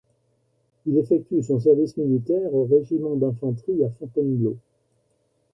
Il effectue son service militaire au régiment d'infanterie à Fontainebleau.